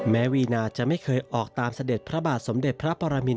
วีนาจะไม่เคยออกตามเสด็จพระบาทสมเด็จพระปรมิน